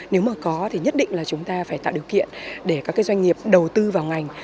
nếu mà có thì nhất định là chúng ta phải tạo điều kiện để các doanh nghiệp đầu tư vào ngành